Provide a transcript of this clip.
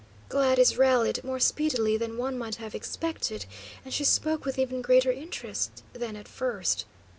Gladys rallied more speedily than one might have expected, and she spoke with even greater interest than at first.